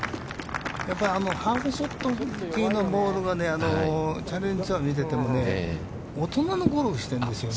やっぱりハーフショットがチャレンジツアー見てても、大人のゴルフをしているんですよね。